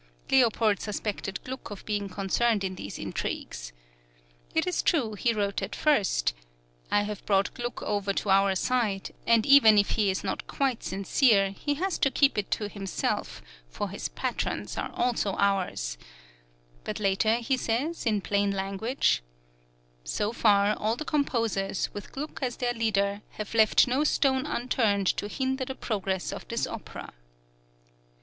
Leopold suspected Gluck of being concerned in these intrigues. It is true he wrote at first: "I have brought Gluck over to our side, and even if he is not quite sincere, he has to keep it to himself, for his patrons are also ours;" but later he says, in plain language: "So far, all the composers, with Gluck as their leader, have left no stone unturned to hinder the progress of this opera."